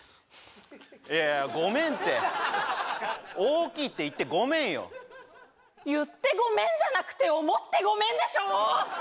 いやいやごめんって大きいって言ってごめんよ言ってごめんじゃなくて思ってごめんでしょ